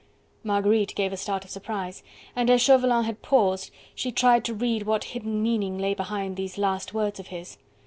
Marguerite gave a start of surprise, and as Chauvelin had paused she tried to read what hidden meaning lay behind these last words of his.